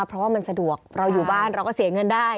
เพราะว่ามันสะดวกเราอยู่บ้านเราก็เสียเงินได้